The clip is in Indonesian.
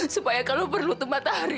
supaya kalau perlu itu matahari